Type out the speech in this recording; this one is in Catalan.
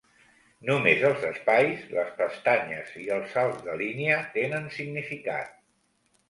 Només els espais, les pestanyes i els salts de línia tenen significat.